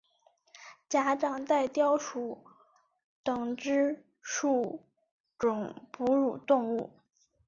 假掌袋貂属等之数种哺乳动物。